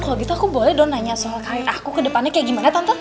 kalau gitu aku boleh dong nanya soal kayak aku ke depannya kayak gimana tonton